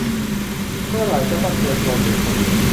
เมื่อไหร่ก็ต้องเจอโคลนหรือฝุ่น